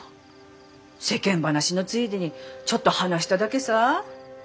世間話のついでにちょっと話しただけさぁ。